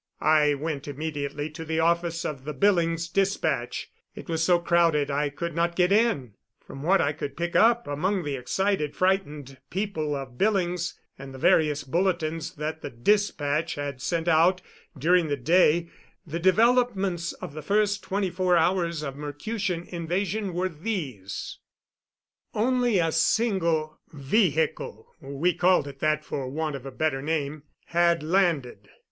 I went immediately to the office of the Billings Dispatch. It was so crowded I could not get in. From what I could pick up among the excited, frightened people of Billings, and the various bulletins that the Dispatch had sent out during the day, the developments of the first twenty four hours of Mercutian invasion were these: Only a single "vehicle" we called it that for want of a better name had landed.